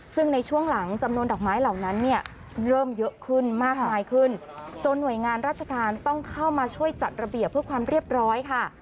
ซึ่งในช่วงหลังจำนวนดอกไม้เหล่านั้นเนี่ยเริ่มเยอะขึ้นมากมายขึ้นจนหน่วยงานราชการต้องเข้ามาช่วยจัดระเบียบเพื่อความเรียบร้อยค่ะ